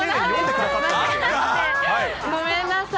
ごめんなさい。